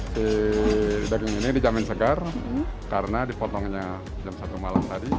si daging ini dijamin segar karena dipotongnya jam satu malam tadi